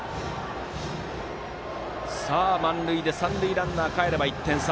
三塁ランナーがかえれば１点差。